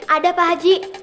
ada pak haji